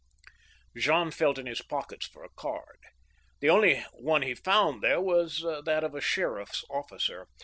Jean felt in his pockets for a card. The only one he found there was that of a sheriff's officer.